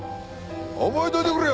覚えといてくれよ！